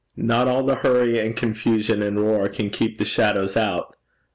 Not all the hurry and confusion and roar can keep the shadows out.